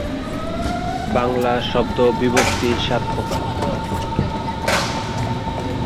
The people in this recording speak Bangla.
বাংলা শব্দ-বিভক্তি সাত প্রকার।